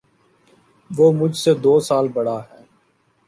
وہ مجھ سے دو سال بڑا ہے